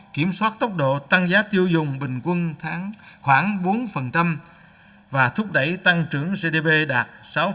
kiểm soát tốc độ tăng giá tiêu dùng bình quân khoảng bốn và thúc đẩy tăng trưởng gdp đạt sáu